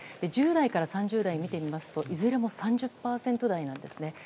１０代から３０代を見てみますといずれも３０％台なんですね。